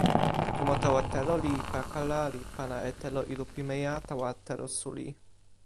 tomo tawa telo li pakala li pana e telo ilo pimeja tawa telo suli.